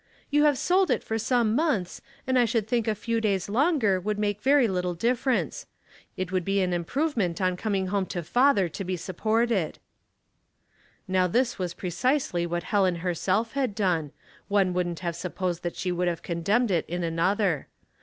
'* You have sold it for some months, and I should think a few days longer would make very little difference ; it would be an im provement on coming home to father to be supported." Now as this was precisely what Helen herself had done, one wouldn't have supposed that she would have condemned it in another.